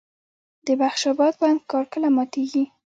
د بخش اباد بند کار کله ماتیږي؟